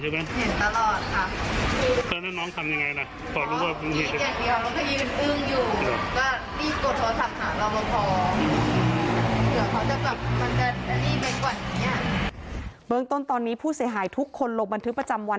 เบื้องต้นตอนนี้ผู้เสียหายทุกคนลงบันทึกประจำวัน